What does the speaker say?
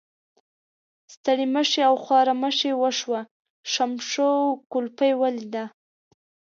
ستړي مشي او خوارمشي وشوه، شمشو کولپۍ ولیده.